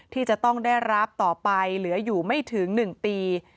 ที่จะต้องได้รับต่อไปเหลืออยู่ไม่ถึง๑ปี